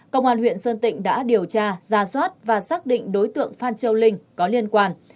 công an huyện sơn tịnh đã điều tra ra soát và xác định đối tượng phan châu linh có liên quan